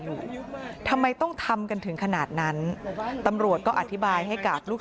ทำไมต้องทำกันถึงขนาดนั้นตำรวจก็อธิบายให้กับลูก